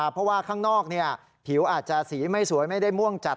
เพราะว่าข้างนอกผิวอาจจะสีไม่สวยไม่ได้ม่วงจัด